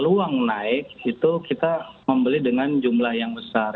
kalau emas yang naik itu kita membeli dengan jumlah yang besar